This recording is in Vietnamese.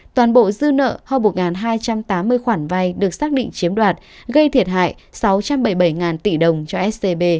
toàn bộ dư nợ hơn một hai trăm tám mươi khoản vay được xác định chiếm đoạt gây thiệt hại sáu trăm bảy mươi bảy tỷ đồng cho scb